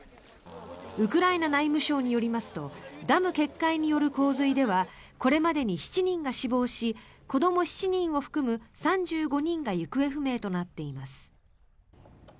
ウクライナ内務省によりますとダム決壊による洪水ではこれまでに７人が死亡し子ども７人を含む３５人が行方不明となっています。